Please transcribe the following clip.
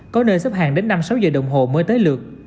có nơi xếp hàng đến năm sáu giờ đồng hồ mới tới lượt